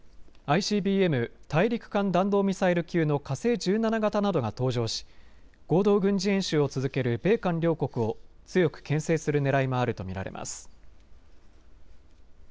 ＩＣＢＭ・大陸間弾道ミサイル級の火星１７型などが登場し合同軍事演習を続ける米韓両国を強くけん制するねらいもあると見られます。